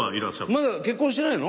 まだ結婚してないの？